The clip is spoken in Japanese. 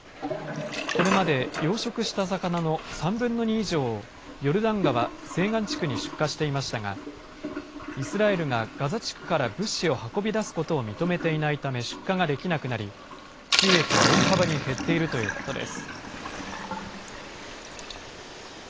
これまで養殖した魚の３分の２以上をヨルダン川西岸地区に出荷していましたが、イスラエルがガザ地区から物資を運び出すことを認めていないため出荷ができなくなり、収益が大幅に減っているということです。